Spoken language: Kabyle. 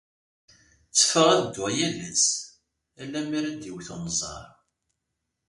Tteffɣeɣ ad dduɣ yal ass, ala mi ara d-iwet unẓar.